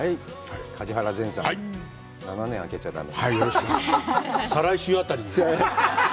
梶原善さん、７年あけちゃだめ。